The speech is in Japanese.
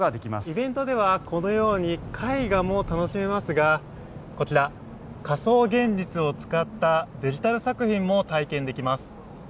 イベントではこのように絵画も楽しめますがこちら、仮想現実を使ったデジタル作品も体験できます。